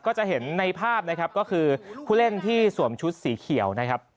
ก็จะเห็นในภาพนะครับก็คือผู้เล่นที่สวมชุดสีเขียวนะครับ